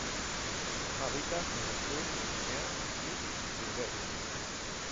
Habita en el sur de Guinea y en Liberia.